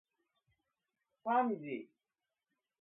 さんじ